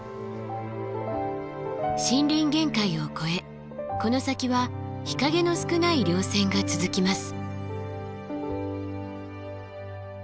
森林限界を超えこの先は日陰の少ない稜線が続きます。